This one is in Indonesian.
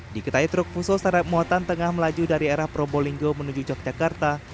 di ketahui truk khusus ada pemuatan tengah melaju dari era probolinggo menuju yogyakarta